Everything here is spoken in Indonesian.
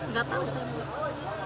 nggak tahu saya